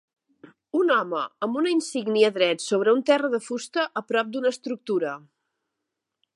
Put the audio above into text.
Un home amb una insígnia dret sobre un terra de fusta a prop d'una estructura.